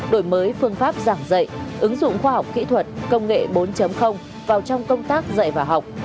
đổi mới phương pháp giảng dạy ứng dụng khoa học kỹ thuật công nghệ bốn vào trong công tác dạy và học